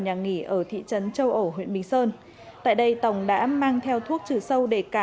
nhà nghỉ ở thị trấn châu ổ huyện bình sơn tại đây tổng đã mang theo thuốc trừ sâu để cà